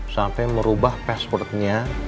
sampai merubah passwordnya